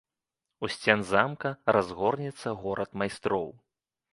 У сцен замка разгорнецца горад майстроў.